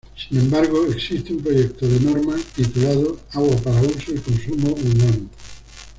Sin embargo, existe un proyecto de norma intitulado “Agua para uso y consumo humano.